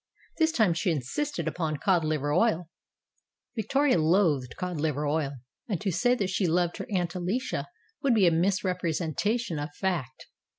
This time she insisted upon cod liver oil. Victoria loathed cod liver oil, and to say that she loved her Aunt Alicia would be a misrepre sentation of fact.